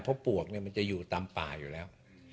เพราะปวกมันจะอยู่ตามป่าอยู่แล้ว